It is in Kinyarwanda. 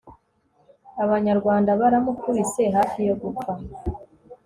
abanyarwanda baramukubise hafi yogupfa